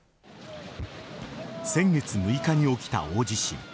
先月６日に起きた大地震。